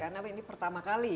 karena ini pertama kali